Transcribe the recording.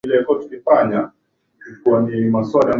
benki kuu inaweka alama za usalama wa sarafu na noti zinazotengenezwa